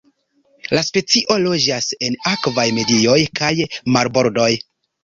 La specio loĝas en akvaj medioj kaj marbordoj.